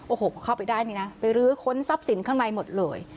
โอ้โหพอเข้าไปได้นี่นะไปรื้อค้นทรัพย์สินข้างในหมดเลย